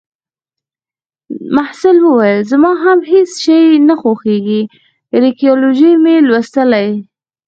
محصل وویل: زما هم هیڅ شی نه خوښیږي. ارکیالوجي مې لوستلې